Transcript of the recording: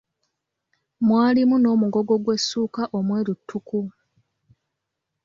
Mwalimu n'omugogo gw'essuuka omweru ttuku.